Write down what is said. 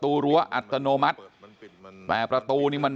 ที่แรกคิดว่าลืมกุญแจไว้รึบล่าวในรถ